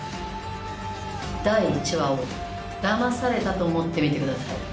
第１話をだまされたと思って見てください。